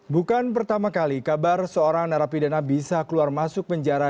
bukan pertama kali kabar seorang narapidana bisa keluar masuk penjara